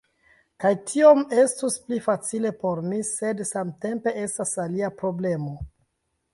Kaj tiom estus pli facile por mi, sed samtempe estas alia problemo